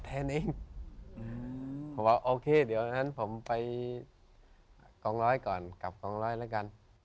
แค่นี้ผมบอกโอเคเดี๋ยวงั้นผมไปกองร้อยก่อนกลับกองร้อยแล้วกัน